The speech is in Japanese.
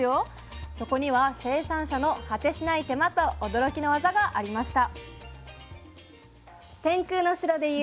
そこには生産者の果てしない手間と驚きのワザがありました。